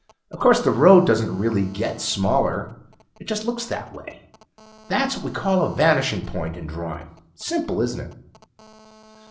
Of course the road doesn't really get smaller it just looks that way. That's what we call a vanishing point in drawing. Simple, isn't it?